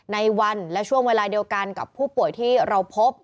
ในวันและช่วงเวลาเดียวกันกับผู้ป่วยที่เราพบ